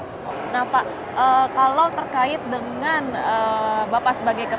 nah pak kalau terkait dengan bapak sebagai ketua